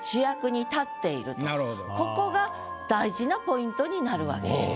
ここが大事なポイントになるわけです。